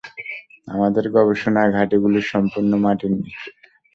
আমাদের গবেষণা ঘাটিগুলো সম্পূর্ণ মাটির নিচে।